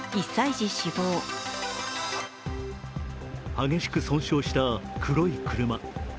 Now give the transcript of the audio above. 激しく損傷した黒い車。